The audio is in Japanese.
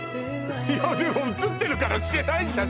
いやでも映ってるからしてないんじゃない？